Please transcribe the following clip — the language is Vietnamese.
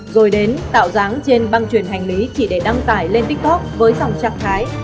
rồi đến tạo dáng trên băng truyền hành lý chỉ để đăng tải lên tiktok với dòng trạng thái